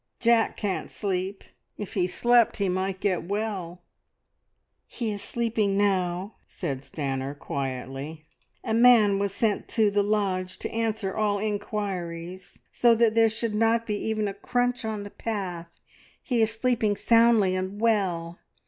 Jack can't sleep! If he slept he might get well." "He is sleeping now," said Stanor quietly. "A man was sent to the lodge to answer all inquiries, so that there should not be even a crunch on the path. He is sleeping soundly and well.